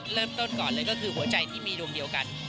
เริ่มต้นก่อนเลยก็คือหัวใจที่มีดวงเดียวกัน